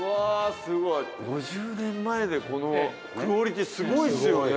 すごい５０年前でこのクオリティーすごいっすよね！